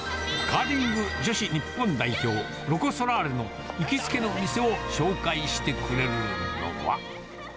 カーリング女子日本代表、ロコ・ソラーレの行きつけの店を紹介してくれるのは。